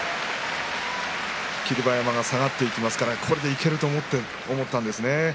霧馬山が下がっていきますからこれでいけると思ったんですね